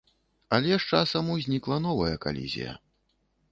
Але з часам узнікла новая калізія.